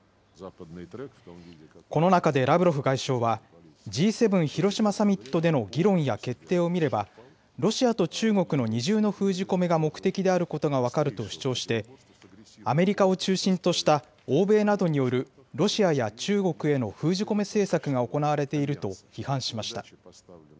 この中でラブロフ外相は、Ｇ７広島サミットでの議論や決定を見れば、ロシアと中国の二重の封じ込めが目的であることが分かると主張して、アメリカを中心とした欧米などによるロシアや中国への封じ込め政策が行われていると批判しました。